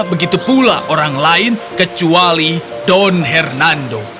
begitu pula orang lain kecuali don hernando